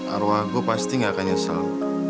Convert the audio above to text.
arwah gue pasti gak akan nyesel